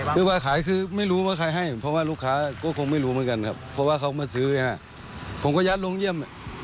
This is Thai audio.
คือว่าขายคือไม่รู้ว่าใครให้เพราะว่าลูกค้าก็คงไม่รู้เหมือนกันครับเพราะว่าเขามาซื้อผมก็ยัดลงเยี่ยม